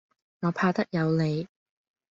我怕得有理。